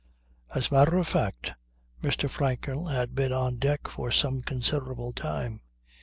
As a matter of fact Mr. Franklin had been on deck for some considerable time.